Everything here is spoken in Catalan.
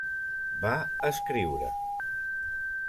Va escriure.